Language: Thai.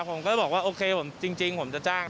ผมก็บอกว่าโอเคผมจริงผมจะจ้าง